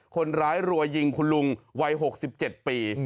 คนร้ายรัวยิงคุณลุงวัย๖๗ปี